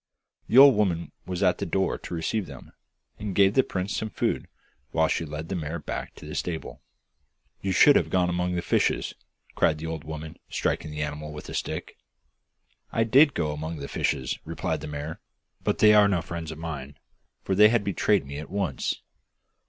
The old woman was at the door to receive them, and gave the prince some food while she led the mare back to the stable. 'You should have gone among the fishes,' cried the old woman, striking the animal with a stick. 'I did go among the fishes,' replied the mare; 'but they are no friends of mine, for they betrayed me at once.